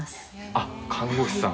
あっ、看護師さん。